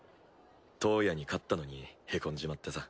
トウヤに勝ったのにへこんじまってさ。